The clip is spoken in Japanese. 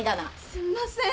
すんません。